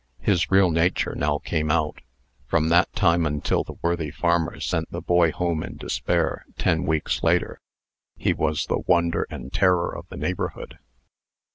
His real nature now came out. From that time until the worthy farmer sent the boy home in despair ten weeks later he was the wonder and terror of the neighborhood.